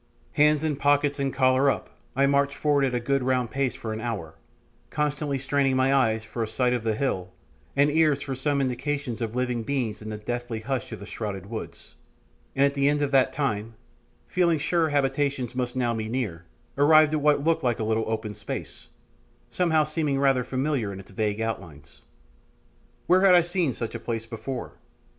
Hands in pockets and collar up, I marched forward at a good round pace for an hour, constantly straining eyes for a sight of the hill and ears for some indications of living beings in the deathly hush of the shrouded woods, and at the end of that time, feeling sure habitations must now be near, arrived at what looked like a little open space, somehow seeming rather familiar in its vague outlines. Where had I seen such a place before?